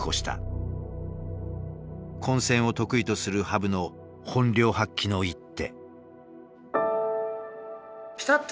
混戦を得意とする羽生の本領発揮の一手。